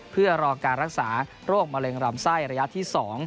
เพื่อรอการรักษาโรคมะเร็งลำไส้ระยะที่๒